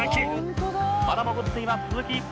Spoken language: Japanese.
まだ潜っています鈴木。